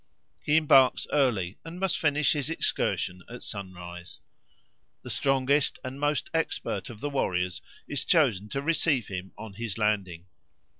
He embarks early, and must finish his excursion at sunrise. The strongest and most expert of the warriors is chosen to receive him on his landing.